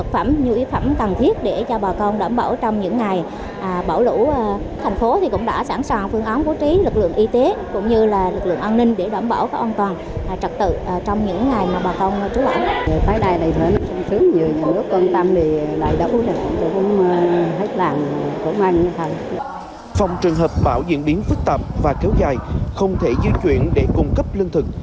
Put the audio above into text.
phòng trường hợp bão diễn biến phức tạp và kéo dài không thể di chuyển để cung cấp lương thực